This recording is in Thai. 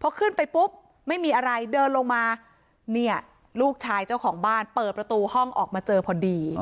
พอขึ้นไปปุ๊บไม่มีอะไรเดินลงมาเนี่ยลูกชายเจ้าของบ้านเปิดประตูห้องออกมาเจอพอดี